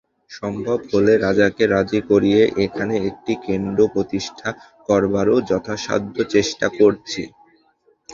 সম্ভব হলে, রাজাকে রাজী করিয়ে এখানে একটি কেন্দ্র প্রতিষ্ঠা করবারও যথাসাধ্য চেষ্টা করছি।